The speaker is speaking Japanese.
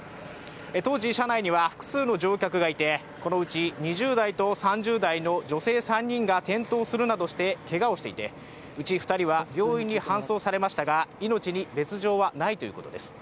当時車内には複数の乗客がいて、このうち２０代と３０代の女性２人が転倒するなどしてけがをしていて、うち２人が病院に搬送されましたが命に別状はないということです。